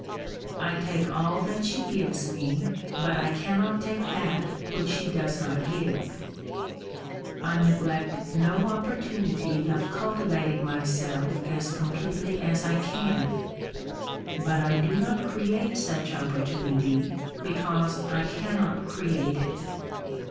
I take all that she gives me, but I cannot take that which she does not give ; I neglect no opportunity of cultivating myself as completely as I can; but I do not create such opportunity, because I cannot create it.